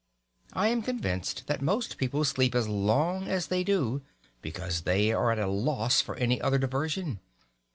I am convinced that most people sleep as long as they do because they are at a loss for any other diversion.